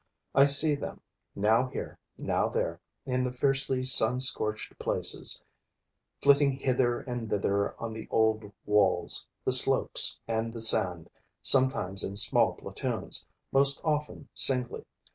I see them, now here, now there, in the fiercely sun scorched places, flitting hither and thither on the old walls, the slopes and the sand, sometimes in small platoons, most often singly.